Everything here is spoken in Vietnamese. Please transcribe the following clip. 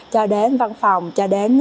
cho đến văn phòng cho đến